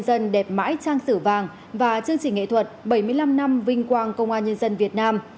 dân đẹp mãi trang sử vàng và chương trình nghệ thuật bảy mươi năm năm vinh quang công an nhân dân việt nam